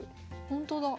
ほんとだ。